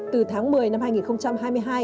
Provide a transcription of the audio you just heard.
từ tháng một mươi năm hai nghìn hai mươi hai